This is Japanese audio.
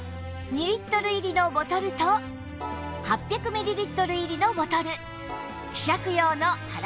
２リットル入りのボトルと８００ミリリットル入りのボトル希釈用の空